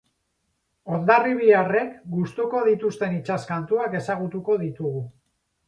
Hondarribiarrek gustuko dituzten itsas kantuak ezagutuko ditugu.